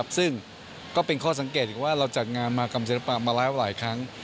ซึ่งเป็นข้อสังเกตว่าจากงานมากรรมศิลปะมาร้ายครั้ง